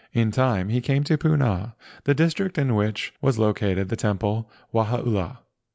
In time he came to Puna, the district in which was located the temple Wahaula.